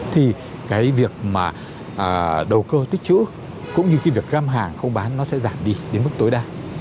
thì cái việc mà đầu cơ tích chữ cũng như cái việc găm hàng không bán nó sẽ giảm đi đến mức tối đa